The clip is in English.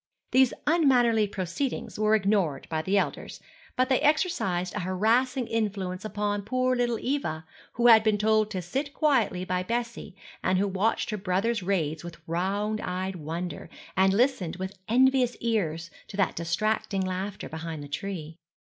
These unmannerly proceedings were ignored by the elders, but they exercised a harassing influence upon poor little Eva, who had been told to sit quietly by Bessie, and who watched her brothers' raids with round eyed wonder, and listened with envious ears to that distracting laughter behind the tree.